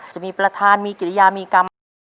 จะมีประธานมีกิริยามีกรรมไหม